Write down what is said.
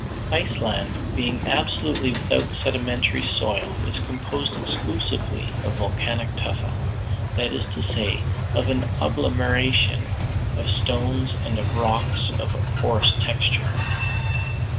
Iceland, being absolutely without sedimentary soil, is composed exclusively of volcanic tufa; that is to say, of an agglomeration of stones and of rocks of a porous texture.